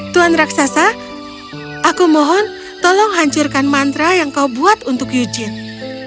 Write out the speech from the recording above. tuan raksasa aku mohon tolong hancurkan mantra yang kau buat untuk eugene